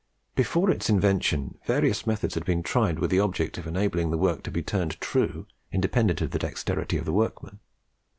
Before its invention various methods had been tried with the object of enabling the work to be turned true independent of the dexterity of the workman.